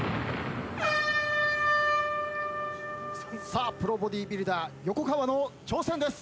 さあプロボディビルダー横川の挑戦です。